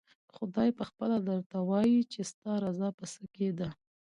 خدای پخپله درته ووايي چې ستا رضا په څه کې ده؟